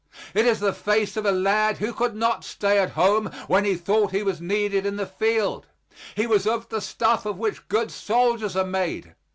It is the face of a lad who could not stay at home when he thought he was needed in the field. He was of the stuff of which good soldiers are made.